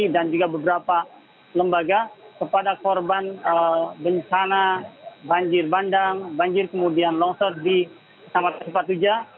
dan juga beberapa lembaga kepada korban bencana banjir bandang banjir kemudian longsor di ketamatan sipat uja